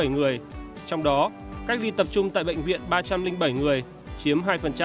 hai chín trăm tám mươi bảy người trong đó cách ly tập trung tại bệnh viện ba trăm linh bảy người chiếm hai